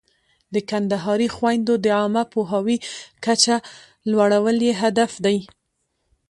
د کندهاري خویندو د عامه پوهاوي کچه لوړول یې هدف دی.